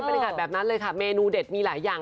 บรรยากาศแบบนั้นเลยค่ะเมนูเด็ดมีหลายอย่าง